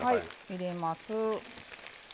入れます。